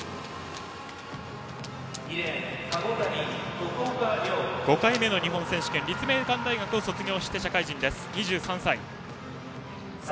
徳岡凌は５回目の日本選手権立命館大学を卒業して社会人、２３歳。